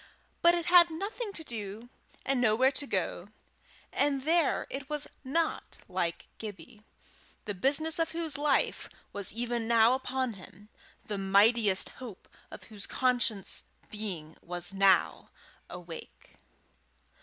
But it had nothing to do, and nowhere to go, and there it was not like Gibbie, the business of whose life was even now upon him, the mightiest hope of whose conscious being was now awake.